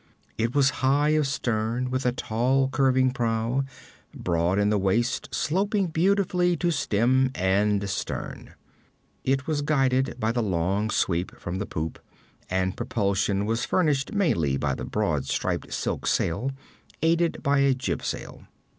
It was high of stern, with a tall curving prow; broad in the waist, sloping beautifully to stem and stern. It was guided by the long sweep from the poop, and propulsion was furnished mainly by the broad striped silk sail, aided by a jibsail.